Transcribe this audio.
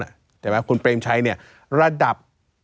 เห็นไหมคุณเปรมชัยเนี่ยระดับ